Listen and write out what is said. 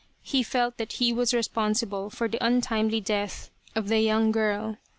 He felt that he was responsible for the untimely death of the young girl.